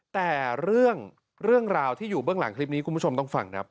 แต่เรื่องราวที่อยู่เบื้องหลังคลิปนี้คุณผู้ชมต้องฟังครับ